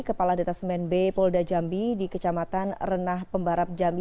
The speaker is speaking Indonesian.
kepala detasmen b polda jambi di kecamatan renah pembarap jambi